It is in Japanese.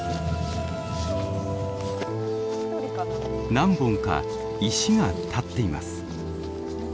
何本か石が立っています。